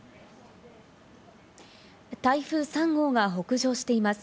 台風３号が北上しています。